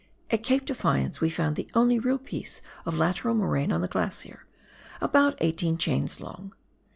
At Cape Defiance we found the only real piece of lateral moraine on the glacier — about eighteen chains long.